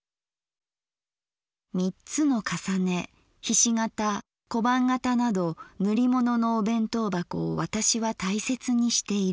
「三つの重ね菱形小判型など塗り物のお弁当箱を私は大切にしている。